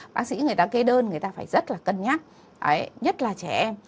bác sĩ người ta kê đơn người ta phải rất là cân nhắc nhất là trẻ em